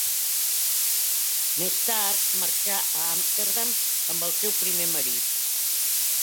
Més tard marxà a Amsterdam amb el seu primer marit.